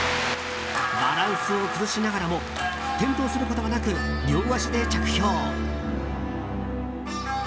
バランスを崩しながらも転倒することなく両足で着氷。